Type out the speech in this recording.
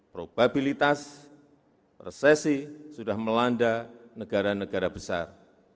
probabilitas resesi sudah melanda negara negara besar